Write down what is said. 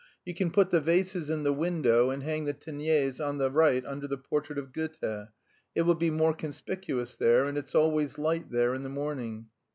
You can put the vases in the window and hang the Teniers on the right under the portrait of Goethe; it will be more conspicuous there and it's always light there in the morning.